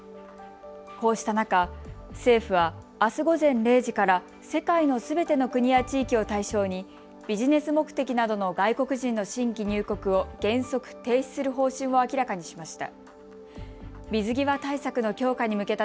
こうした中、政府はあす午前０時から世界のすべての国や地域を対象にビジネス目的などの外国人の新規入国を原則、停止する方針を明らかにしました。